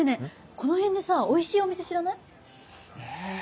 この辺でさおいしいお店知らない？え。